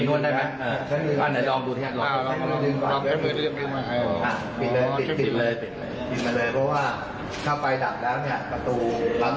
ตอนนี้เราจะแปลว่าเราจะเปิดไส่